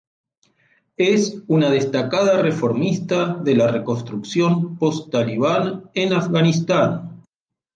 Es una destacada reformista de la reconstrucción post-talibán en Afganistán.